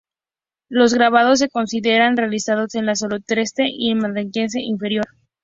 Los grabados se consideran realizados en el Solutrense y en el Magdaleniense Inferior.